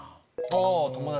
あぁ友達。